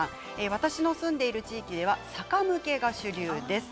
私の住んでいる地域では逆むけが主流です。